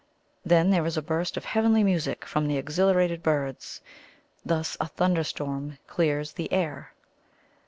Then there is a burst of heavenly music from the exhilarated birds. Thus a thunder storm "clears the air."